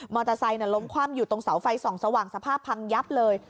เตอร์ไซค์ล้มคว่ำอยู่ตรงเสาไฟส่องสว่างสภาพพังยับเลย